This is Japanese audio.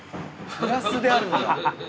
プラスであるんだ。